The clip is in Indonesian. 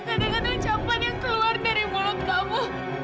aku gak nyangka dengan ucapan yang keluar dari mulut kamu